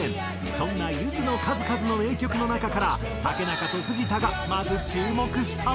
そんなゆずの数々の名曲の中から竹中と藤田がまず注目したのが。